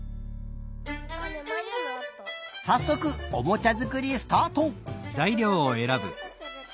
さっそくおもちゃづくりスタート！